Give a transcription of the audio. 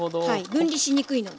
分離しにくいので。